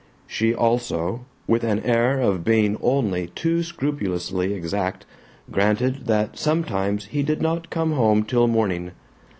She also, with an air of being only too scrupulously exact, granted that sometimes he did not come home till morning.